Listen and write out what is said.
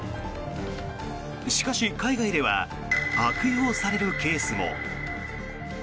しかし、海外では悪用されるケースも。